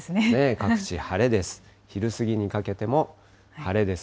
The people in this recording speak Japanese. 各地晴れです。